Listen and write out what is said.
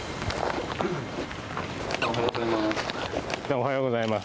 おはようございます。